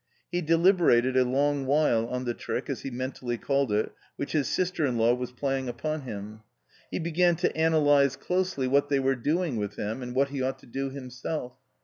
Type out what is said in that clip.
He deliberated a long while on the trick, as he mentally called it, which his sister in law was playing upon him. He began to analyse closely what they were doing with him and what he ought to do himself.